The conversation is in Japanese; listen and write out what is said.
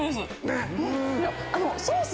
ソース